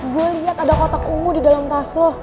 gue liat ada kotak ungu di dalam tas lo